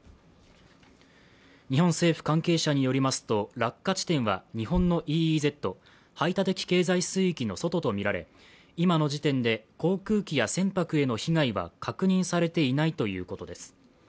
日本政府関係者によりますと、落下地点は日本のＥＥＺ＝排他的経済水域の外とみられ今の時点で、航空機や船舶への被害は確認されていないということです。